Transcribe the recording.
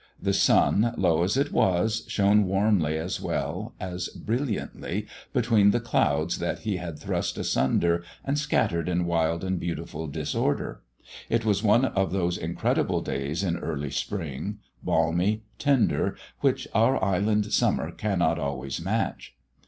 The sun, low as it was, shone warmly as well as brilliantly between the clouds that he had thrust asunder and scattered in wild and beautiful disorder. It was one of those incredible days in early spring, balmy, tender, which our island summer cannot always match.